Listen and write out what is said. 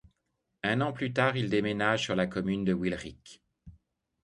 Un an plus tard, il déménage sur la commune de Wilrijk.